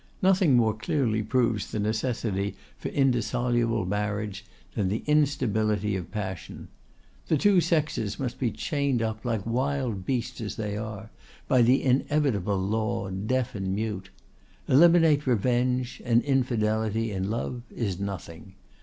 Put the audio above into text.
Nothing more clearly proves the necessity for indissoluble marriage than the instability of passion. The two sexes must be chained up, like wild beasts as they are, by inevitable law, deaf and mute. Eliminate revenge, and infidelity in love is nothing.